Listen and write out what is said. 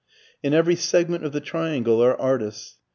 ] In every segment of the triangle are artists.